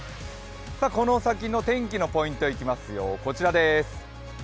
この先の天気のポイント、こちらです。